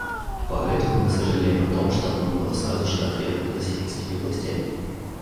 Поэтому мы сожалеем о том, что оно было сразу же отвергнуто сирийскими властями.